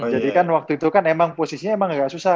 jadi kan waktu itu kan emang posisinya emang nggak susah